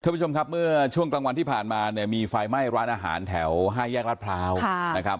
ผู้ชมครับเมื่อช่วงกลางวันที่ผ่านมาเนี่ยมีไฟไหม้ร้านอาหารแถว๕แยกรัฐพร้าวนะครับ